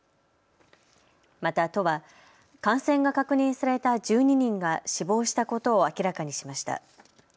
また都は感染が確認された１２人が死亡したことを明らかにしました。